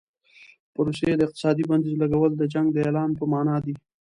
په روسیې د اقتصادي بندیزونو لګول د جنګ د اعلان په معنا دي.